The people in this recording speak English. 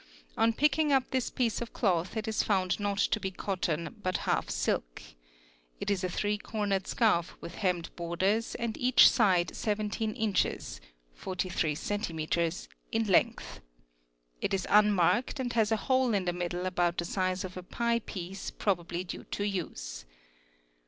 On picking up this piece of cloth it is found not to be cotton but half silk. It is a three cornered scarf with hemmed borders and each side 17 inches (43 cms) in a length. It is unmarked and has a hole in the middle about the | size of a pie piece probably due to use.